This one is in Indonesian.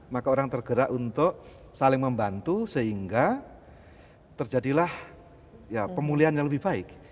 maka orang tergerak untuk saling membantu sehingga terjadilah pemulihan yang lebih baik